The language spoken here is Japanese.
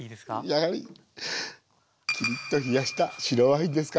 やはりきりっと冷やした白ワインですかね。